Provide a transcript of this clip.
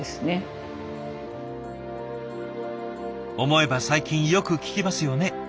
思えば最近よく聞きますよね。